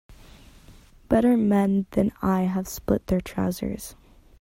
Better men than I have split their trousers.